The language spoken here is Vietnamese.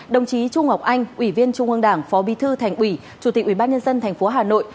đồng chí trung ngọc anh ủy viên trung ương đảng phó bí thư thành ủy chủ tịch ủy ban nhân dân tp hà nội